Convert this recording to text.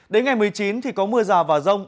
đến ngày một mươi chín thì có mưa rào và rông